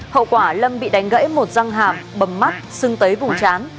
hậu quả lâm bị đánh gãy một răng hạm bầm mắt xưng tới vùng chán